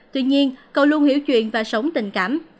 tuy nhiên cầu luôn hiểu chuyện và sống tình cảm